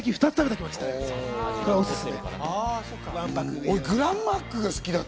これ、おすすめ。